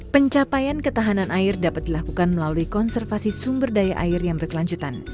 pencapaian ketahanan air dapat dilakukan melalui konservasi sumber daya air yang berkelanjutan